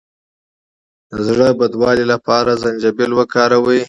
د زړه بدوالي لپاره زنجبیل وکاروئ